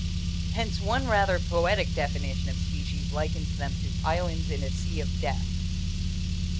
Hence one rather poetic definition of species likens them to "islands in a sea of death."